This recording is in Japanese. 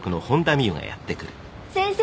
先生